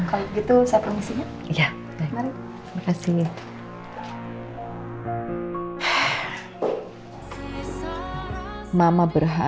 kalau begitu saya permisi ya